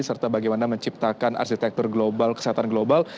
serta bagaimana menciptakan arsitektur global kesehatan global